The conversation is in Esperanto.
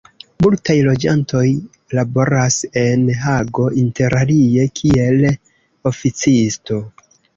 Multaj loĝantoj laboras en Hago interalie kiel oficisto.